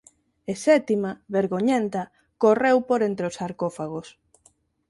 E Sétima, vergoñenta, correu por entre os sarcófagos.